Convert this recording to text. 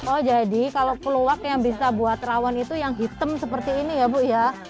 oh jadi kalau peluwak yang bisa buat rawon itu yang hitam seperti ini ya bu ya